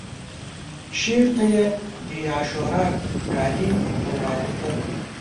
شعر ته یې د عاشورا کالي ورواغوستل